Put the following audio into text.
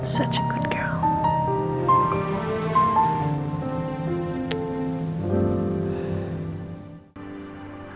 seorang gadis yang baik